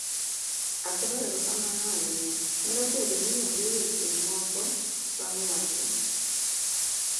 agoyo erokamano ahinya. nyalo bedo ni onge weche moko bang' wacho